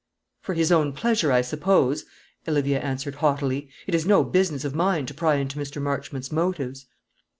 "For his own pleasure, I suppose," Olivia answered haughtily. "It is no business of mine to pry into Mr. Marchmont's motives."